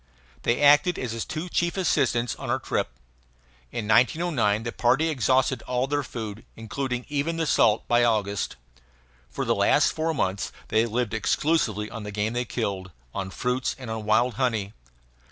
They acted as his two chief assistants on our trip. In 1909 the party exhausted all their food, including even the salt, by August. For the last four months they lived exclusively on the game they killed, on fruits, and on wild honey.